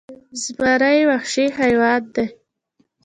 زمری وخشي حیوان دې